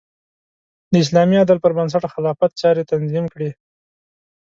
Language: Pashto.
د اسلامي عدل پر بنسټ خلافت چارې تنظیم کړې.